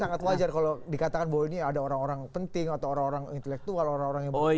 sangat wajar kalau dikatakan bahwa ini ada orang orang penting atau orang orang intelektual orang orang yang berbeda